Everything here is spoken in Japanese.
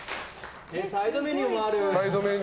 サイドメニューもある！